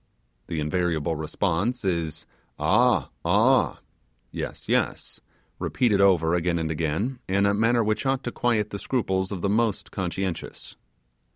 The invariable response is 'Aa, Aa' (yes, yes), repeated over again and again in a manner which ought to quiet the scruples of the most conscientious.